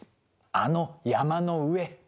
あの山の上！